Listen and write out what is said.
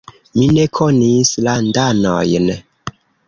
Mi ne konis landanojn.